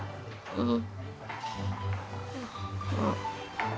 うん。